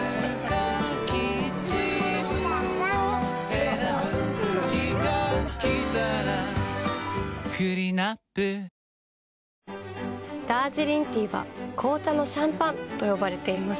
選ぶ日がきたらクリナップダージリンティーは紅茶のシャンパンと呼ばれています。